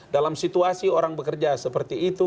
dalam situasi orang bekerja seperti itu